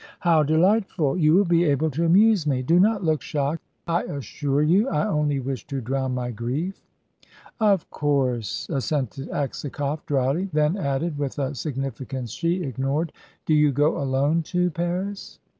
"How delightful! You will be able to amuse me. Do not look shocked. I assure you I only wish to drown my grief." "Of course," assented Aksakoff, dryly; then added, with a significance she ignored: "Do you go alone to Paris?"